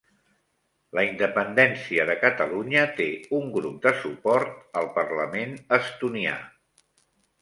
La independència de Catalunya té un grup de suport al parlament estonià